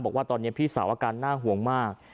บอกว่าตอนนี้พี่สาวอาการน่าห่วงมาก